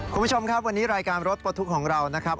คุณผู้ชมครับวันนี้รายการรถปลดทุกข์ของเรานะครับ